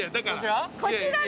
こちら？